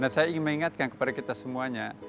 saya ingin mengingatkan kepada kita semuanya